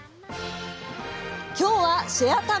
きょうは「シェア旅」。